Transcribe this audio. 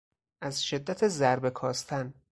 از شدت ضربه کاستن